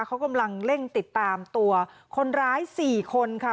เขากำลังเร่งติดตามตัวคนร้าย๔คนค่ะ